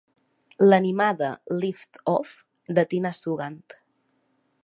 L'animada "Lift Off" de Tina Sugandh.